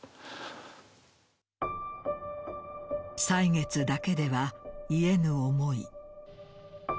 歳月だけでは癒えぬ思い。